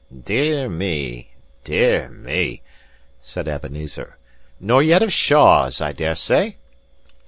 "Dear me, dear me!" said Ebenezer. "Nor yet of Shaws, I dare say?"